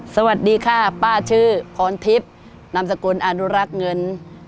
สวัสดีค่ะป้าชื่อพรทิพย์นามสกุลอนุรักษ์เงิน